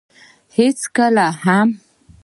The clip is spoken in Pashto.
هېڅکله هم.